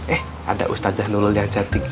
eh ada ustazah nulul yang cantik